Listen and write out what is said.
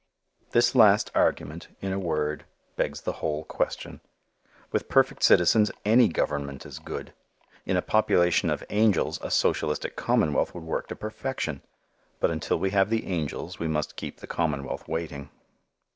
This last argument, in a word, begs the whole question. With perfect citizens any government is good. In a population of angels a socialistic commonwealth would work to perfection. But until we have the angels we must keep the commonwealth waiting.